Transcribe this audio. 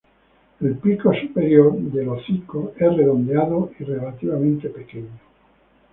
El pico superior, del hocico, es redondeado y relativamente pequeño.